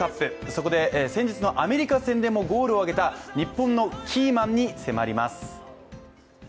そこで先日のアメリカ戦でもゴールを挙げた、日本のキーマンに迫ります。